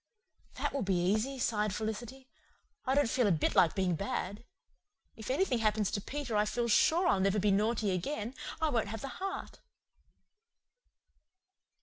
"That will be easy," sighed Felicity. "I don't feel a bit like being bad. If anything happens to Peter I feel sure I'll never be naughty again. I won't have the heart."